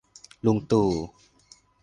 ลุงตู่